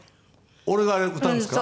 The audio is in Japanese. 俺が歌うんですか？